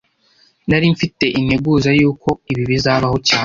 Nari mfite integuza yuko ibi bizabaho cyane